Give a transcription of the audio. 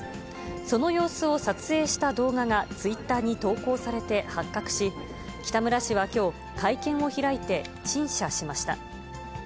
その様子を撮影した動画がツイッターに投稿されて発覚し、北村氏はきょう、会見を開いて、陳謝しました。